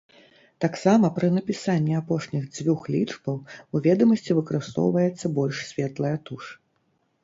Таксама пры напісанні апошніх дзвюх лічбаў у ведамасці выкарыстоўваецца больш светлая туш.